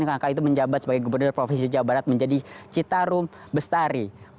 yang kakak itu menjabat sebagai gubernur provinsi jawa barat menjadi citarum bestari